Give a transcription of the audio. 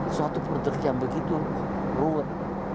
suatu produk yang begitu ruwet